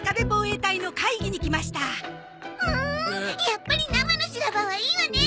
やっぱり生の修羅場はいいわね！